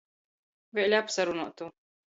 Vēļ apsarunuotu.